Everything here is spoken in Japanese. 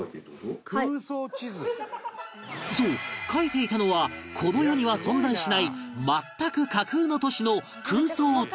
そう描いていたのはこの世には存在しない全く架空の都市の空想地図